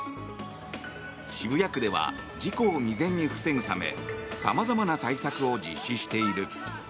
渋谷区では事故を未然に防ぐため様々な対策を実施している。